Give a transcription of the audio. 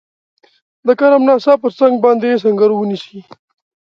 د کرم ناسا پر څنګ باندي سنګر ونیسي.